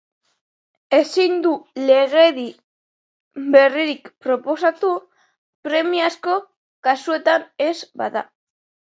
Ezin du legedi berririk proposatu, premiazko kasuetan ez bada.